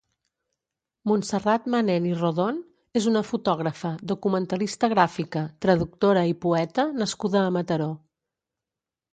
Montserrat Manent i Rodon és una fotògrafa, documentalista gràfica, traductora i poeta nascuda a Mataró.